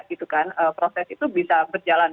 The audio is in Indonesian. gitu kan proses itu bisa berjalan